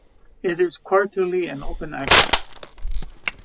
It is quarterly and open access.